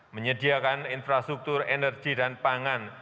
menyediakan infrastruktur energi dan pangan